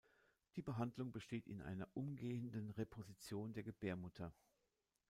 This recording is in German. Die Behandlung besteht in einer umgehenden Reposition der Gebärmutter.